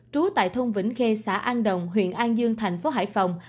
trú tại thôn vĩnh khê xã an đồng huyện an dương thành phố hải phòng